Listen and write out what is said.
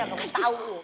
yang baru tau